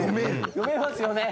「読めますよね。